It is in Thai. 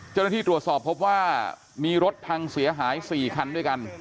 เจ้าหน้าที่ตรวจสอบพบว่ามีรถพังเสียหาย๔คันด้วยกัน